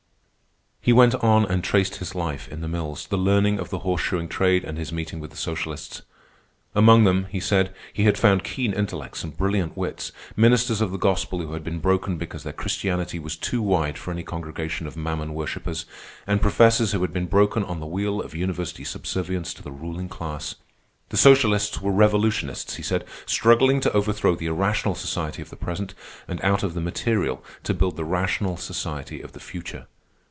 He went on and traced his life in the mills, the learning of the horseshoeing trade, and his meeting with the socialists. Among them, he said, he had found keen intellects and brilliant wits, ministers of the Gospel who had been broken because their Christianity was too wide for any congregation of mammon worshippers, and professors who had been broken on the wheel of university subservience to the ruling class. The socialists were revolutionists, he said, struggling to overthrow the irrational society of the present and out of the material to build the rational society of the future.